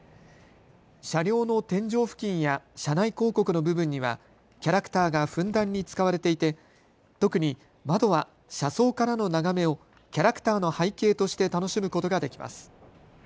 車両の天井付近や車内広告の部分にはキャラクターがふんだんに使われていて特に窓は車窓からの眺めをキャラクターの背景として楽しむことができます。